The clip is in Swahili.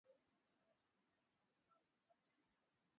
watangazaji wanaweza kuzungumzia mada mbalimbali kwenye vipindi